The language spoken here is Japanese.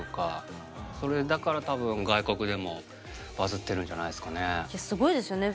それだから多分外国でもバズってるんじゃないですかね。